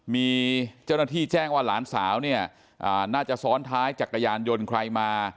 มีเจ้าหน้าที่แจ้งว่าหลานสาวเนี่ยน่าจะซ้อนท้ายจักรยานยนต์ใครมา